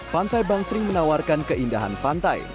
pantai bangsering menawarkan keindahan pantai